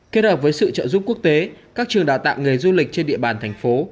kết hợp với sự trợ giúp quốc tế các trường đào tạo nghề du lịch trên địa bàn thành phố